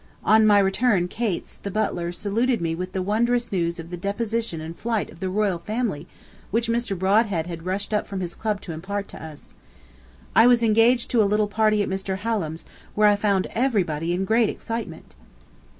On my return Cates, the butler, saluted me with the wondrous news of the deposition and flight of the royal family, which Mr. Brodhead had rushed up from his club to impart to us. I was engaged to a little party at Mr. Hallam's, where I found everybody in great excitement.